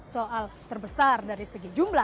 soal terbesar dari segi jumlah